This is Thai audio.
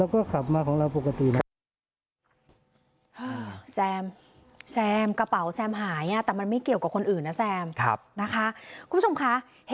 แล้วก็ขับมาของเราปกตินะ